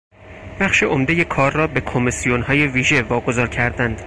بخش عمدهی کار را به کمیسیونهای ویژه واگذار کردند.